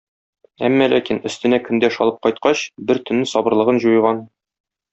Әмма ләкин өстенә көндәш алып кайткач, бер төнне сабырлыгын җуйган.